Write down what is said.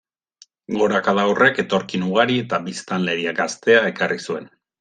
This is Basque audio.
Gorakada horrek etorkin ugari eta biztanleria gaztea ekarri zuen.